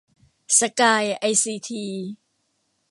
สกาย ไอซีที